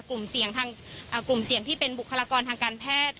ทางกลุ่มเสี่ยงที่เป็นบุคลากรทางการแพทย์